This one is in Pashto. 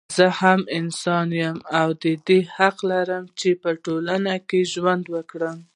زه هم انسان يم او دا حق لرم چې په ټولنه کې ژوند وکړم